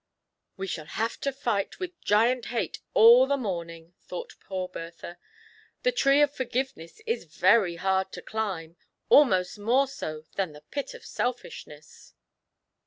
"We shall have to fight with Giant Hate all the morning," thought poor Bertha ;" the tree of Forgiveness is very hard to climb — almost more so than the pit of Selfishness.